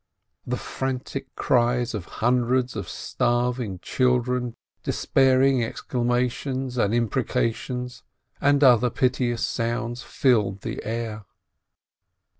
The frantic cries of hundreds of starving children, despairing exclamations and imprecations and other WOMEN 451 piteous sounds filled the air.